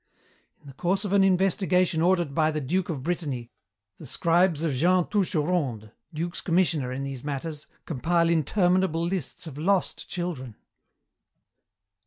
"In the course of an investigation ordered by the duke of Brittany, the scribes of Jean Touscheronde, duke's commissioner in these matters, compile interminable lists of lost children.